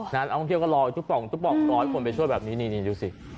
เอาท่องเที่ยวก็รออยู่ทุกป่องทุกป่องรอยคนไปช่วยแบบนี้นี่นี่นี่ดูสิ